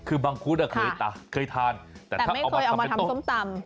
คือมังคุดเคยทานแต่ไม่เคยเอามาทำส้มตำ